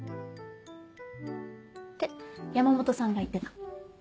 って山本さんが言ってた。